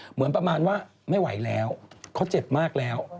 เหมือนประมาณว่าไม่ไหวแล้วเขาเจ็บมากแล้ว